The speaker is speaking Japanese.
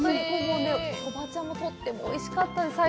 そば茶もとってもおいしかったです。